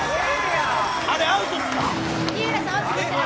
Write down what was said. あれ、アウトですか？